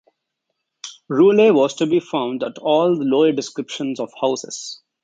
Roulette was to be found at all the lower descriptions of houses.